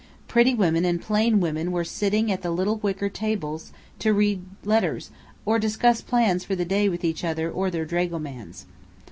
Pretty women and plain women were sitting at the little wicker tables to read letters, or discuss plans for the day with each other or their dragomans.